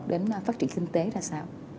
đến phát triển kinh tế ra sao